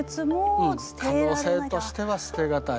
うん可能性としては捨て難い。